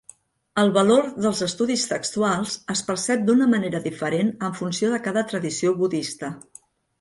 El valor dels estudis textuals es percep d'una manera diferent en funció de cada tradició budista.